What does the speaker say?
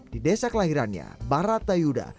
di desa kelahirannya baratayuda